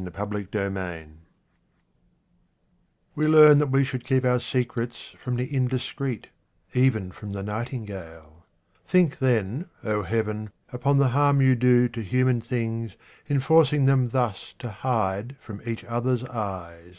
62 QUATRAINS OF OMAR KHAYYAM We learn that we should keep our secrets from the indiscreet, even from the nightingale. Think then, O Heaven, upon the harm you do to human things in forcing them thus to hide from each other's eyes.